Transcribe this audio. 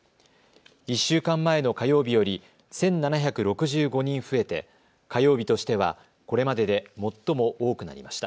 １週間前の火曜日より１７６５人増えて火曜日としては、これまでで最も多くなりました。